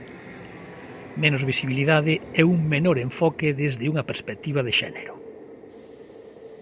Menos visibilidade e un menor enfoque desde unha perspectiva de xénero.